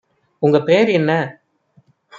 உங்க பேரு என்ன?